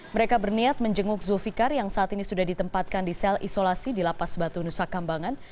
mereka berniat menjenguk zulfikar yang saat ini sudah ditempatkan di sel isolasi di lapas batu nusa kambangan